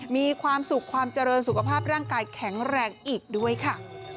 มีความสุขความเจริญสุขภาพร่างกายแข็งแรงอีกด้วยค่ะ